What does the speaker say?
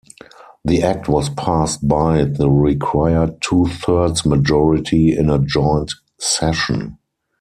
The act was passed by the required two-thirds majority in a joint session.